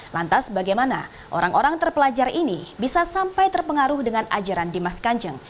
lantas bagaimana orang orang terpelajar ini bisa sampai terpengaruh dengan ajaran dimas kanjeng